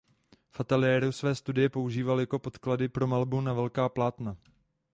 V ateliéru své studie používal jako podklady pro malbu na velká plátna.